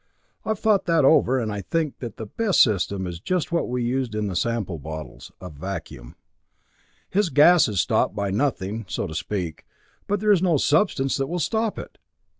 I've thought that over, and I think that the best system is just what we used in the sample bottles a vacuum. His gas is stopped by nothing, so to speak, but there is no substance that will stop it!